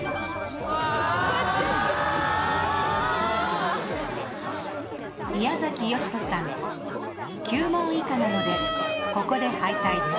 うわ！宮崎美子さん９問以下なのでここで敗退です。